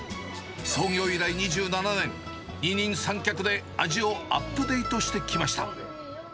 創業以来２７年、二人三脚で味をアップデートしてきました。